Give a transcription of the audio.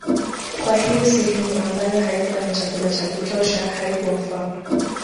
Kwa hiyo sehemu ambayo haikuwa na chakula cha kutosha haikuwafaa